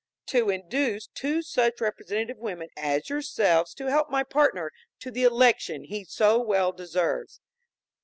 "To induce two such representative women as yourselves to help my partner to the election he so well deserves."